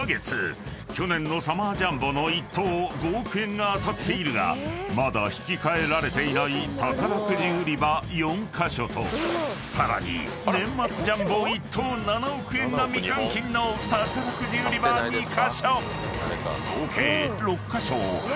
［去年のサマージャンボの１等５億円が当たっているがまだ引き換えられていない宝くじ売り場４カ所とさらに年末ジャンボ１等７億円が未換金の宝くじ売り場２カ所］